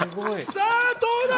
さぁどうだ？